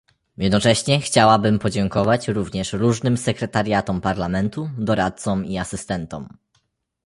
Jednocześnie chciałabym podziękować również różnym sekretariatom Parlamentu, doradcom i asystentom